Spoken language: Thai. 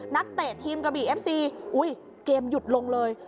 เตะทีมกระบี่เอฟซีอุ้ยเกมหยุดลงเลย